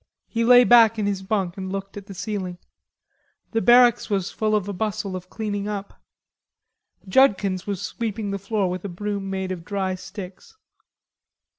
He lay back in his bunk and looked at the ceiling. The barracks was full of a bustle of cleaning up. Judkins was sweeping the floor with a broom made of dry sticks.